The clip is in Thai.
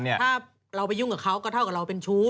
ถ้าเราไปยุ่งกับเขาก็เท่ากับเราเป็นชู้